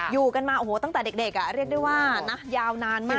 อยู่กันมาโอ้โหตั้งแต่เด็กเรียกได้ว่านะยาวนานมาก